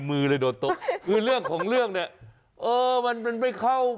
มือเลยโดดตกคือเรื่องของเรื่องเนี่ยเออมันไม่เข้าปากพอดี